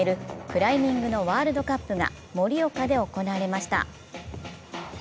クライミングのワールドカップが盛岡で行われました。